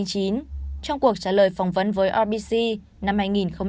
trong cuộc trả lời phỏng vấn với rbc năm hai nghìn một mươi năm